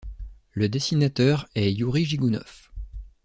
Le dessinateur est Youri Jigounov.